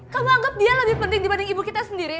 kamu anggap dia lebih penting dibanding ibu kita sendiri